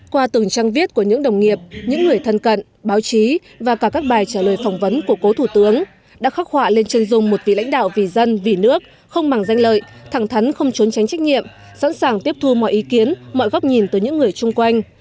qua từng trang viết của những đồng nghiệp những người thân cận báo chí và cả các bài trả lời phỏng vấn của cố thủ tướng đã khắc họa lên chân dung một vị lãnh đạo vì dân vì nước không mảng danh lợi thẳng thắn không trốn tránh trách nhiệm sẵn sàng tiếp thu mọi ý kiến mọi góc nhìn từ những người chung quanh